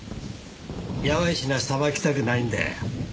やばい品はさばきたくないんだよ。